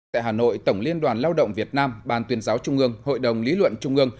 tại hà nội tổng liên đoàn lao động việt nam ban tuyên giáo trung ương hội đồng lý luận trung ương